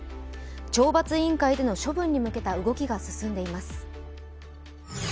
懲罰委員会での処分に向けた動きが進んでいます。